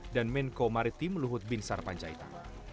dan menko maritim luhut bin sarpancaita